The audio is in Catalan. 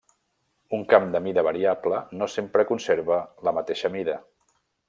Un camp de mida variable no sempre conserva la mateixa mida.